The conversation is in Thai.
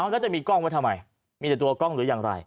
แล้วจะมีกล้องไว้ทำไมมีแต่ตัวกล้องหรืออย่างไร